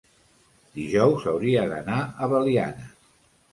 dijous hauria d'anar a Belianes.